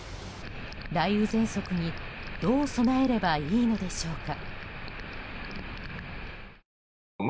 雷雨ぜんそくにどう備えればいいのでしょうか。